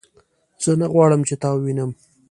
زه نه غواړم چې تا ووینم